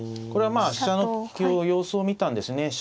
これはまあ飛車の様子を見たんですね。